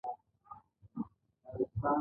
دې پاڅون ته د واټ تایلور نوم ورکړل شو.